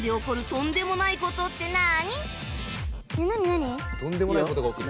とんでもない事が起きる。